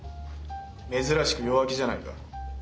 珍しく弱気じゃないか。